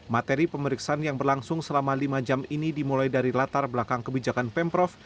materi pemeriksaan yang berlangsung selama lima jam ini dimulai dari latar belakang kebijakan pemprov